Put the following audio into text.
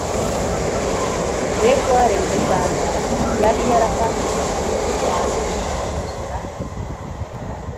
regoire Kayibanda yari yarafashije rubanda kwigobotora